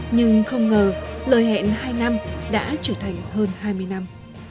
nhưng không ngờ lời hẹn hai năm đã trở thành hơn hai mươi năm